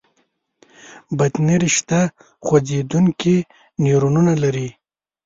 بطني رشته خوځېدونکي نیورونونه لري.